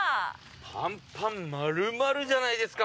パンパンまるまるじゃないですか